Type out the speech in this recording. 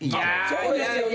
そうですよね。